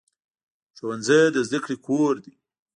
ښوونځی د زده کړې کور دی